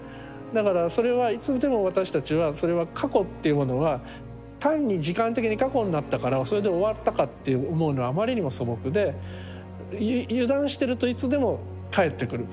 だからそれはいつでも私たちはそれは過去っていうものは単に時間的に過去になったからそれで終わったかって思うのはあまりにも素朴で油断してるといつでも帰ってくる。